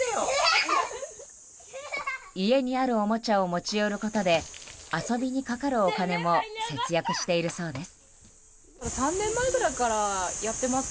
家にあるおもちゃを持ち寄ることで遊びにかかるお金も節約しているそうです。